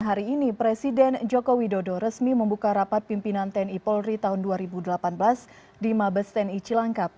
hari ini presiden joko widodo resmi membuka rapat pimpinan tni polri tahun dua ribu delapan belas di mabes tni cilangkap